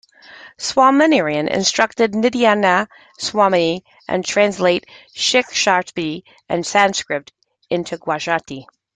Swaminarayan instructed Nityanand Swami to translate Shikshapatri from Sanskrit into Gujarati.